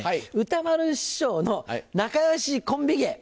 歌丸師匠の仲良しコンビ芸